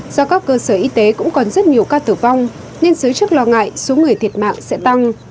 do các cơ sở y tế cũng còn rất nhiều ca tử vong nên giới chức lo ngại số người thiệt mạng sẽ tăng